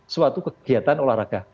suatu kegiatan olahraga